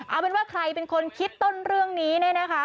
เอาเป็นว่าใครเป็นคนคิดต้นเรื่องนี้เนี่ยนะคะ